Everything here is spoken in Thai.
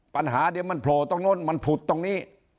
ปัญหาเดี๋ยวมันโผล่ตรงโน้นมันผุดตรงนี้